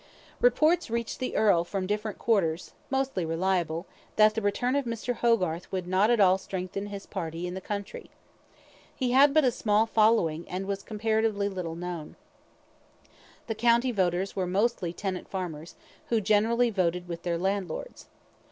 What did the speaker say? Reports reached the earl from different quarters, mostly reliable, that the return of Mr. Hogarth would not at all strengthen his party in the country. He had but a small following, and was comparatively little known. The county voters were mostly tenant farmers, who generally voted with their landlords.